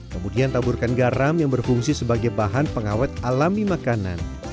kemudian taburkan garam yang berfungsi sebagai bahan pengawet alami makanan